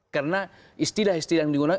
karena istilah istilah yang digunakan